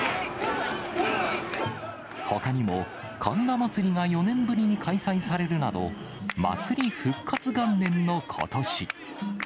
ほかにも、神田祭が４年ぶりに開催されるなど、祭り復活元年のことし。